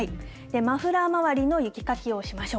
マフラー周りの雪かきをしましょう。